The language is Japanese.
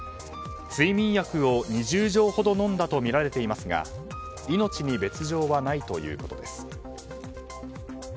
睡眠薬を２０錠ほど飲んだとみられていますが命に別条はないということです。